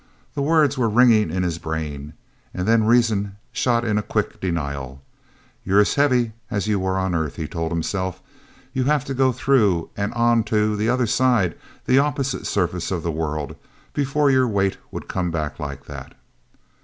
The words were ringing in his brain. And then reason shot in a quick denial. "You're as heavy as you were on earth," he told himself. "You'd have to go through and on to the other side, the opposite surface of the world, before your weight would come back like that!"